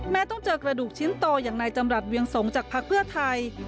ต้องเจอกระดูกชิ้นโตอย่างนายจำรัฐเวียงสงจากภักดิ์เพื่อไทย